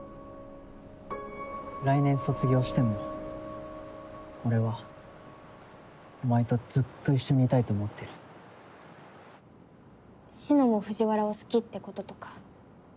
来年卒業しても俺はお前とずっと一緒にいたいと思ってる志乃も藤原を好きってこととか。